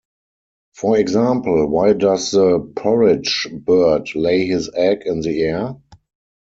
For example, Why does the Porridge Bird lay his egg in the air?